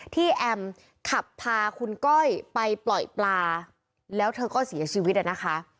แอมขับพาคุณก้อยไปปล่อยปลาแล้วเธอก็เสียชีวิตนะคะ